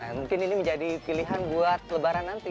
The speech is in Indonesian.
mungkin ini menjadi pilihan buat lebaran nanti